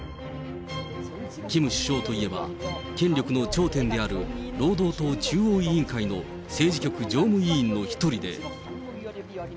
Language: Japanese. キム首相といえば、権力の頂点である労働党中央委員会の政治局常務委員の１人で。